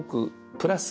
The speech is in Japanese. プラス